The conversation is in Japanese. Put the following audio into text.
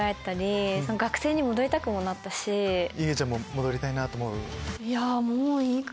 いげちゃんも戻りたいと思う？